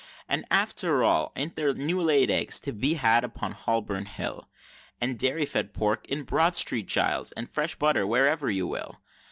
And after all an't there new laid eggs to be had upon Holborn Hill? And dairy fed pork in Broad St. Giles's, and fresh butter wherever you will?